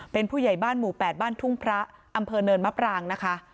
เป็นผู้ใหญ่บ้านหมู่๘บ้านทุ่งพระอำเภอเนินมะปรางนะคะ